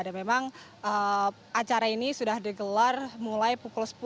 dan memang acara ini sudah digelar mulai pukul sepuluh